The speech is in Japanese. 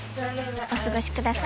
お過ごしください